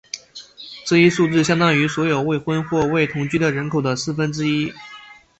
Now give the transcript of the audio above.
这一数字相当于所有未婚或未同居的人口的四分之一。